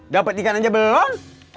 dapet ikan aja belum